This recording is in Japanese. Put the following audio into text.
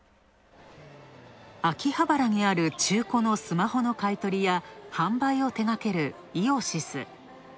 秋葉原にある中古のスマホの買い取り屋販売を手がけるイオシス。